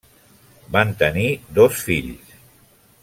Van tenir dos fills.